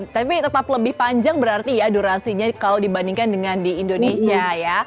tapi tetap lebih panjang berarti ya durasinya kalau dibandingkan dengan di indonesia ya